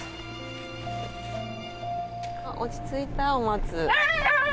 落ち着いたおまつ。